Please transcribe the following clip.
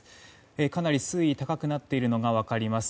かなり水位が高くなっているのが分かります。